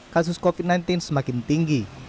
kasus covid sembilan belas semakin tinggi